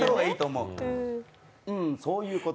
うん、そういうこと。